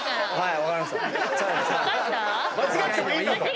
はい！